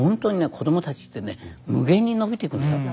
子供たちってね無限に伸びてくのよ。